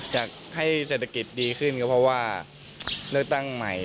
อยากให้เศรษฐกิจดีขึ้นก็เพราะว่าเลือกตั้งใหม่